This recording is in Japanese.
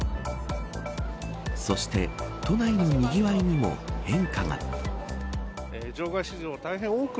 そして都内のにぎわいにも変化が。